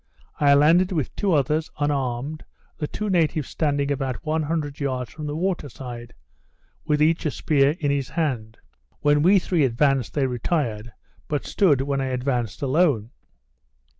I landed with two others, unarmed; the two natives standing about 100 yards from the water side, with each a spear in his hand. When we three advanced, they retired; but stood when I advanced alone.